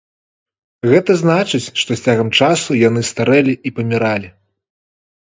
Гэта значыць, што з цягам часу яны старэлі і паміралі.